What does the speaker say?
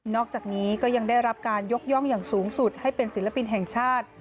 อกจากนี้ก็ยังได้รับการยกย่องอย่างสูงสุดให้เป็นศิลปินแห่งชาติ